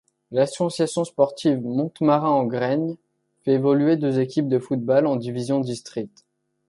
L'Association sportive de Montmartin-en-Graignes fait évoluer deux équipes de football en divisions de district.